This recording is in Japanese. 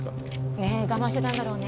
ね我慢してたんだろうね。